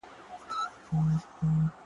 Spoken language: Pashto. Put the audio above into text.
دغسې ستا د رفاقت په باچايي لاره کې